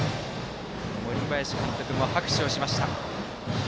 森林監督も拍手をしました。